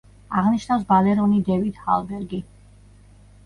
აღნიშნავს ბალერონი დევიდ ჰალბერგი.